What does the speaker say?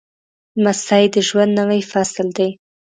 لمسی د ژوند نوی فصل دی.